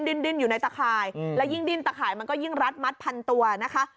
ดิ้นอยู่ในตะข่ายและยิ่งดิ้นตะข่ายมันก็ยิ่งรัดมัดพันตัวนะคะ